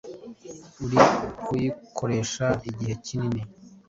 uri kuyikoresha igihe kinini.